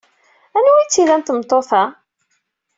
Anwa ay tt-ilan tmeṭṭut-a?